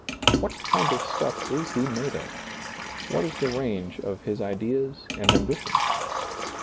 What kind of stuff is he made of? What is the range of his ideas and ambitions